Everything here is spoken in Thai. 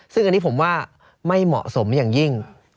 ซึ่งอันนี้ผมว่าไม่เหมาะสมอย่างยิ่ง